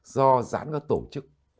do giãn các tổ chức